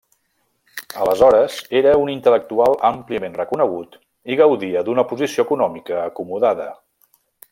Aleshores, era un intel·lectual àmpliament reconegut i gaudia d'una posició econòmica acomodada.